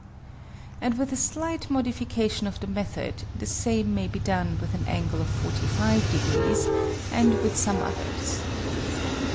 And with a slight modification of the method, the same may be done with an angle of 45, and with some others.